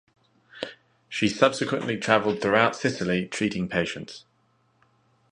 She subsequently traveled throughout Sicily treating patients.